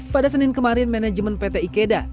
pada senin kemarin manajemen pt ikeda